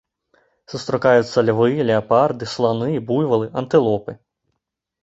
Сустракаюцца львы, леапарды, сланы, буйвалы, антылопы.